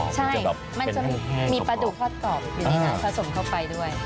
มันจะมีปลาดูพรอดกรอบอยู่ดีนะผสมเข้าไปด้วย